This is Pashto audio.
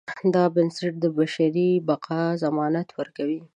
دا بنسټ د بشري بقا ضمانت ورکوي.